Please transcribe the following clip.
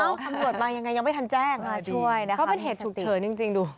ตำรวจมายังไงยังไม่ทันแจ้งมาช่วยนะคะเขาเป็นเหตุฉุกเฉินจริงดู